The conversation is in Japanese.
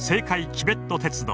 チベット鉄道。